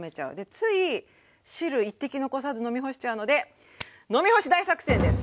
つい汁一滴残さず飲みほしちゃうので「飲みほし大作戦！」です。